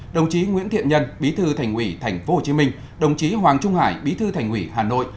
đồng chí nguyễn thiện nhân bí thư thành ủy tp hcm đồng chí hoàng trung hải bí thư thành ủy hà nội